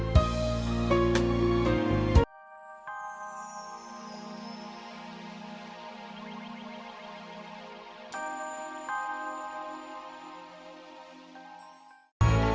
baiklah aku salat dua puluh lima sekarang